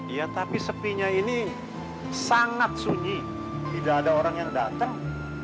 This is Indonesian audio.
ya tapi sepinya ini sangat sunyi tidak ada orang yang datang